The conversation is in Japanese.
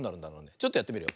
ちょっとやってみるよ。